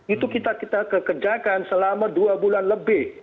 itu kita kerjakan selama dua bulan lebih